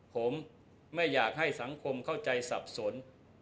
ผมไม่อยากให้สังคมเข้าใจสับสน